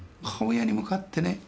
母親に向かってね